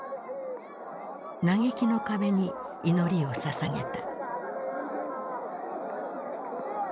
嘆きの壁に祈りを捧げた。